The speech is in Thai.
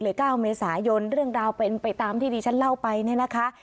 ๙เมษายนเรื่องราวเป็นไปตามที่ดิฉันเล่าไปเนี่ยนะคะ